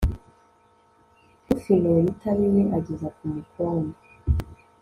ufinura itari iye ageza ku mukondo